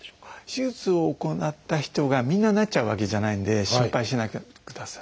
手術を行った人がみんななっちゃうわけじゃないんで心配しないでください。